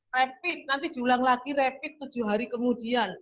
rapid nanti diulang lagi rapid tujuh hari kemudian